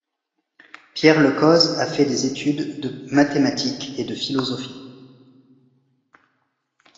Pierre Le Coz a fait des études de mathématiques et de philosophie.